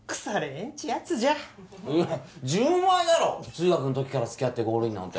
中学の時から付き合ってゴールインなんて。